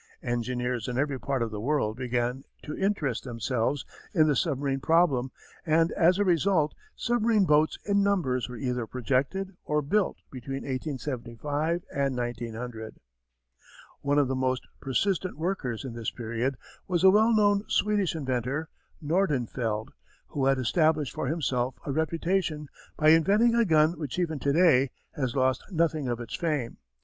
Engineers in every part of the world began to interest themselves in the submarine problem and as a result submarine boats in numbers were either projected or built between 1875 and 1900. One of the most persistent workers in this period was a well known Swedish inventor, Nordenfeldt, who had established for himself a reputation by inventing a gun which even to day has lost nothing of its fame.